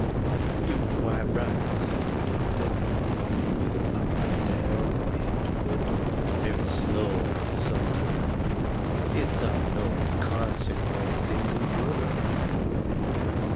"You are quite right," says the doctor, looking Will up and down from head to foot, very slow and insulting, "it's of no consequence in the world."